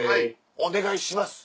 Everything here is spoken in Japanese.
お願いします。